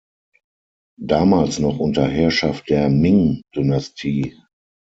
Damals noch unter Herrschaft der Ming-Dynastie.